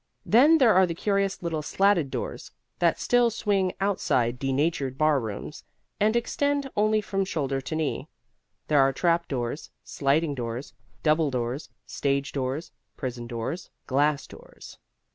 Then there are the curious little slatted doors that still swing outside denatured bar rooms and extend only from shoulder to knee. There are trapdoors, sliding doors, double doors, stage doors, prison doors, glass doors.